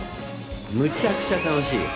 むちゃくちゃ楽しいです。